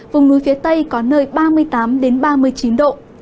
vùng núi phía tây có nơi ba mươi tám ba mươi chín độ